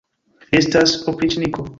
Li estas opriĉniko.